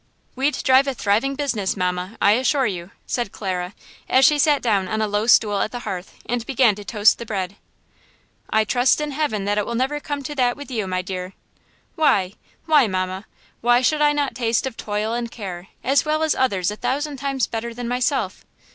"We'd drive a thriving business, mamma, I assure you," said Clara, as she sat down on a low stool at the hearth and began to toast the bread. "I trust in heaven that it will never come to that with you, my dear!" "Why? Why, mamma? Why should I not taste of toil and care as well as others a thousand times better than myself?